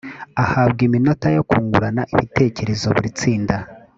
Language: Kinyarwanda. ahabwa iminota yo kungurana ibitekerezo buri tsinda